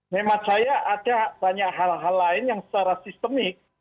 hemat saya ada banyak hal hal lain yang secara sistemik